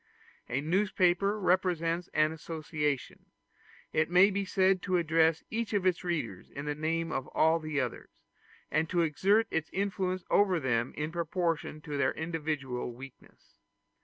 A newspaper represents an association; it may be said to address each of its readers in the name of all the others, and to exert its influence over them in proportion to their individual weakness.